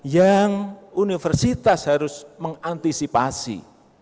yang universitas harus mengantisipasi